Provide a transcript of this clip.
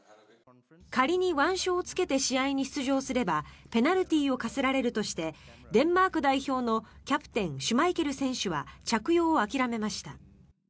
仮に腕章をつけて試合に出場すればペナルティーを科せられるとしてデンマーク代表のキャプテン、シュマイケル選手は着用を諦めました。